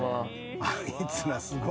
あいつらすごい。